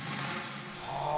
はあ！